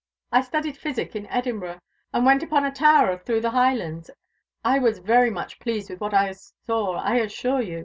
I studied physic in Edinburgh, and went upon a _tower _through the Highlands. 'I was very much pleased with what I saw, I assure you.